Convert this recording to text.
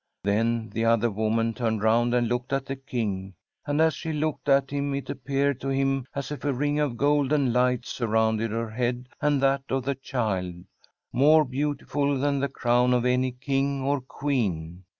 Then the other woman turned round and looked at the King, and as she looked at him it appeared to him as if a ring of golden light surrounded her head and that of the child, more beautiful than the crown of any King or Queen.